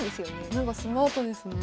なんかスマートですよね。